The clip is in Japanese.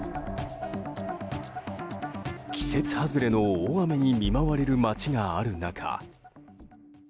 季節外れの大雨に見舞われる街がある中。